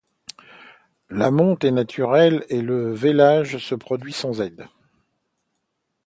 La monte est naturelle et le vêlage se produit sans aide.